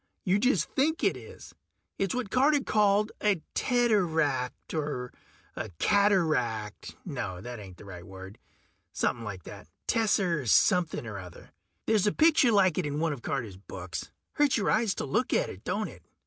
You just think it is. It's what Carter called a teteract, or a cataract ... no, that ain't the right word. Somepin' like that tesser something or other. There's a picture like it in one of Carter's books. Hurts your eyes to look at it, don't it?